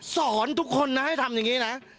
สอนทุกคนนะให้ทำอย่างนี้นะ